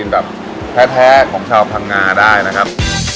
เพราะด้านกับสุกก็สามารถลองมาทานขนมจีนแท้ของชาวพังงาได้นะครับ